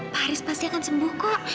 pak haris pasti akan sembuh kok